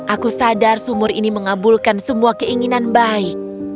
aku sadar sumur ini mengabulkan semua keinginan baik